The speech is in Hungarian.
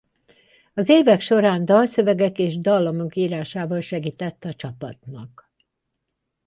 Az évek során dalszövegek és dallamok írásával segített a csapatnak.